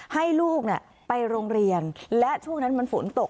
ให้ลูกไปโรงเรียนและช่วงนั้นมันฝนตก